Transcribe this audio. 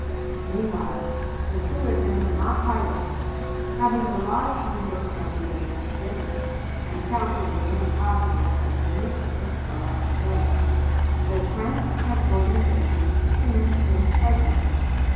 Meanwhile the Seward men were not idle; having the large New York delegation to begin with, and counting the many positive committals from other States, their strength and organization seemed impregnable.